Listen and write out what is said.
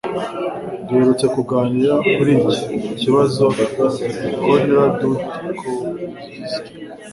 Duherutse kuganira kuri iki kibazo konradutkowski